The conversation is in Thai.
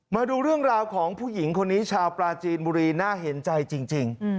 มาดูเรื่องราวของผู้หญิงคนนี้ชาวปลาจีนบุรีน่าเห็นใจจริง